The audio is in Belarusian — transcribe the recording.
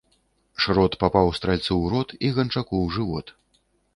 Шрот папаў стральцу ў рот і ганчаку ў жывот.